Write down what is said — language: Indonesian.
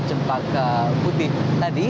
cempangka putih tadi